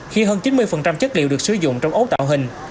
khi hơn chín mươi chất liệu được sử dụng trong ấu tạo hình